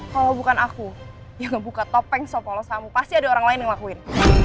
kalau bukan aku yang ngebuka topeng sopolos kamu pasti ada orang lain yang ngelakuin